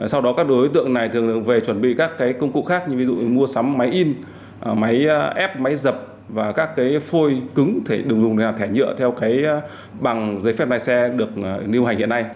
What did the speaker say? sau đó các đối tượng này thường về chuẩn bị các công cụ khác như mua sắm máy in máy ép máy dập và các phôi cứng đừng dùng để làm thẻ nhựa theo bằng giấy phép lái xe được nêu hành hiện nay